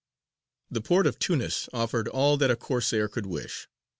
_)] The port of Tunis offered all that a Corsair could wish.